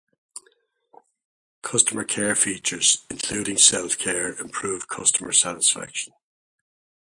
Customer care features, including self-care, improve customer satisfaction.